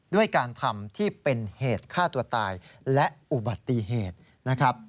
ด้วยการทำที่เป็นเหตุฆ่าตัวตายและอุบัติเหตุนะครับ